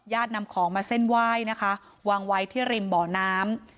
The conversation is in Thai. นำของมาเส้นไหว้นะคะวางไว้ที่ริมบ่อน้ำ